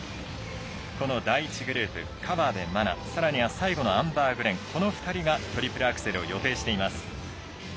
第１グループ河辺愛菜さらには最後のアンバー・グレンこの２人がトリプルアクセルを予定しています。